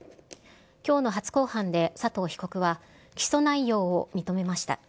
きょうの初公判で、佐藤被告は、起訴内容を認めました。